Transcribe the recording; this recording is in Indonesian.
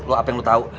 lo apa yang lo tau